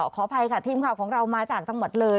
ขออภัยค่ะทีมข่าวของเรามาจากจังหวัดเลย